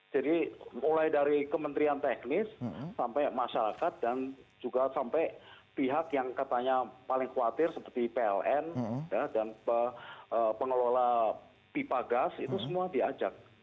jadi mulai dari kementerian teknis sampai masyarakat dan juga sampai pihak yang katanya paling khawatir seperti pln dan pengelola pipa gas itu semua diajak